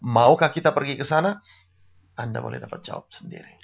maukah kita pergi ke sana anda boleh dapat jawab sendiri